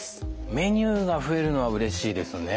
メニューが増えるのはうれしいですね。